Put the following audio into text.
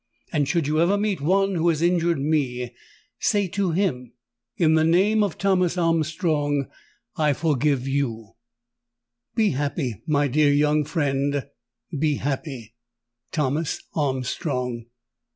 _' And should you ever meet one who has injured me, say to him, 'In the name of Thomas Armstrong I forgive you.' "Be happy, my dear young friend—be happy! "THOMAS ARMSTRONG."